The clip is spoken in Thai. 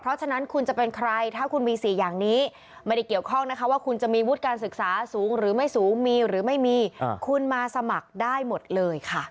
เพราะฉะนั้นคุณจะเป็นใครถ้าคุณมี๔อย่างนี้ไม่ได้เกี่ยวข้องนะคะว่าคุณจะมีวุฒิการศึกษาสูงหรือไม่สูงมีหรือไม่มีคุณมาสมัครได้หมดเลยค่ะ